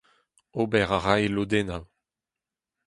Ober a rae lodennoù.